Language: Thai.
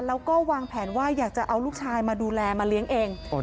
แล้วก็วางแผนว่าอยากจะเอาลูกชายมาดูแลมาเลี้ยงเอง